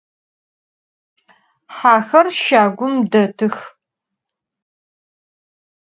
Hexer şagum detıx.